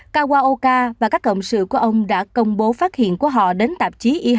kawaoka và các cộng sự của ông đã công bố phát hiện của họ đến tạp